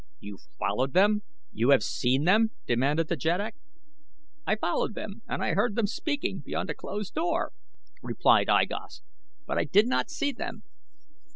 "You followed them? You have seen them?" demanded the jeddak. "I followed them and I heard them speaking beyond a closed door," replied I Gos; "but I did not see them."